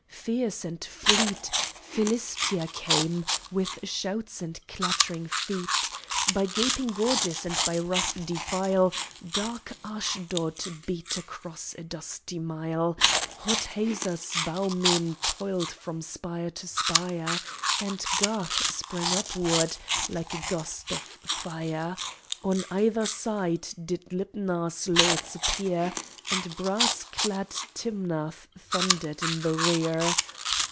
Fierce and fleet Philistia came, with shouts and clattering feet; By gaping gorges and by rough defile Dark Ashdod beat across a dusty mile; Hot Hazor's bowmen toiled from spire to spire, And Gath sprang upwards, like a gust of fire; On either side did Libnah's lords appear, And brass clad Timnath thundered in the rear.